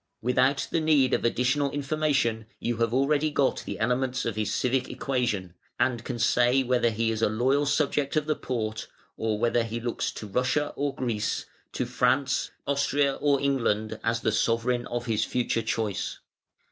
Without the need of additional information you have already got the elements of his civic equation, and can say whether he is a loyal subject of the Porte, or whether he looks to Russia or Greece, to France, Austria, or England as the sovereign of his future choice.